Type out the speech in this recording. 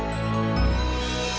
lihat terusin lagi giy